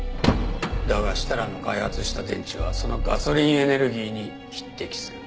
だが設楽の開発した電池はそのガソリンエネルギーに匹敵する。